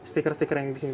stiker stiker yang di sini